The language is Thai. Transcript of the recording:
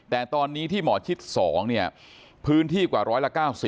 แต่ตอนนี้ที่หมอชิด๒พื้นที่กว่าร้อยละ๙๐